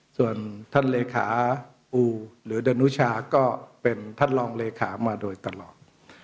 ส่วนท่านเลขาอูหรือดนุชาก็เป็นท่านรองเลขามาโดยตลอด